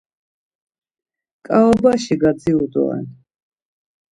Ǩaobaşi gadziru doren.